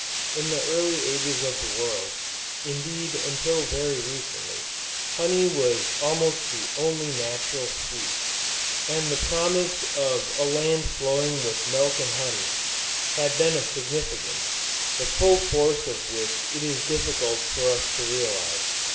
In the early ages of the world, indeed until very recently, honey was almost the only natural sweet; and the promise of "a land flowing with milk and honey," had then a significance, the full force of which it is difficult for us to realize.